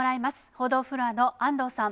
報道フロアの安藤さん。